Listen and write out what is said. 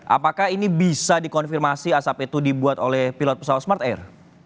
apakah ini bisa dikonfirmasi asap itu dibuat oleh pilot pesawat smart air